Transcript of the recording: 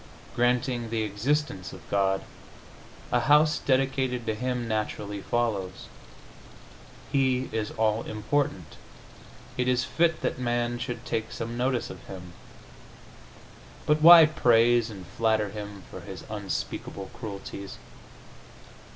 Granting the existence of God, a house dedicated to Him naturally follows. He is all important; it is fit that man should take some notice of Him. But why praise and flatter Him for His unspeakable cruelties?